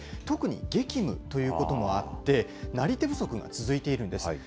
特に激務ということもあって、なり手不足が続いているんです。